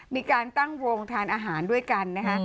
มีการตั้งวงทานอาหารด้วยกันนะคะ